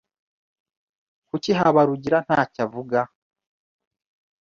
Kuki Habarugira ntacyo avuga?